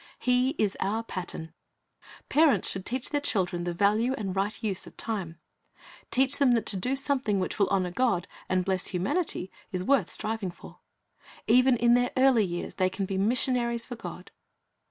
He is our pattern. Parents should teach their children the v'alue and right use of time. Teach them that to do something which will honor God and bless humanity is worth striving for. Even in their early years they can be missionaries for God.